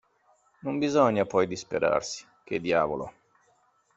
Non bisogna poi disperarsi; che diavolo.